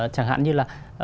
chẳng hạn như là